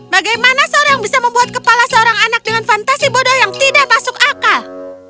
bagaimana seorang bisa membuat kepala seorang anak dengan fantasi bodoh yang tidak masuk akal